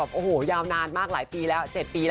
อายูห่างกันเท่าไหร่